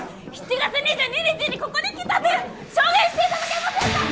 ７月２２日にここに来たという証言していただけませんか？